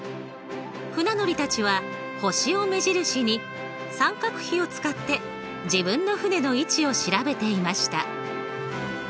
船乗りたちは星を目印に三角比を使って自分の船の位置を調べていました。